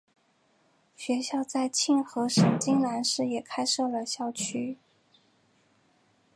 学院在庆和省金兰市也开设了校区。